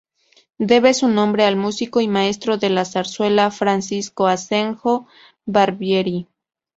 Debe su nombre al músico y maestro de la zarzuela, Francisco Asenjo Barbieri.